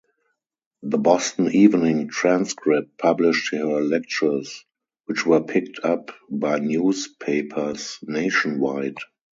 The "Boston Evening Transcript" published her lectures, which were picked up by newspapers nationwide.